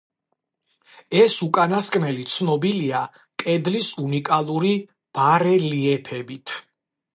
ეს უკანასკნელი ცნობილია კედლის უნიკალური ბარელიეფებით.